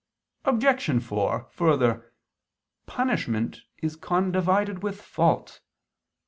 Obj. 4: Further, punishment is condivided with fault.